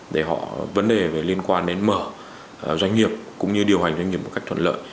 để họ vấn đề về liên quan đến mở doanh nghiệp cũng như điều hành doanh nghiệp một cách thuận lợi